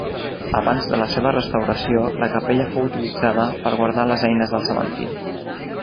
Abans de la seva restauració la capella fou utilitzada per guardar les eines del cementiri.